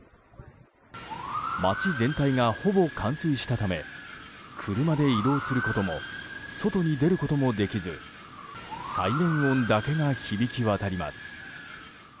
街全体が、ほぼ冠水したため車で移動することも外に出ることもできずサイレン音だけが響き渡ります。